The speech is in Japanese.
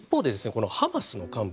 このハマスの幹部